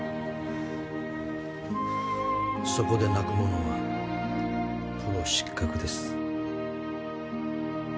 そこで泣く者はプロ失格です